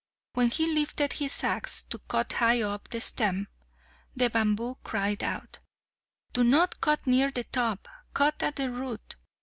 When he lifted his axe to cut high up the stem, the bamboo cried out, "Do not cut near the top, cut at the root."